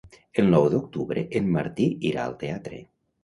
El nou d'octubre en Martí irà al teatre.